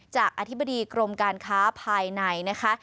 อธิบดีกรมการค้าภายในนะคะ